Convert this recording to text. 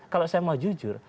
kalau saya mau jujur